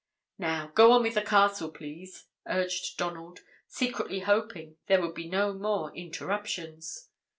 "Now, go on with the castle, please," urged Donald, secretly hoping there would be no more interruptions.